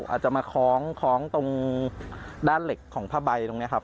อาจจะมาคล้องตรงด้านเหล็กของผ้าใบตรงนี้ครับ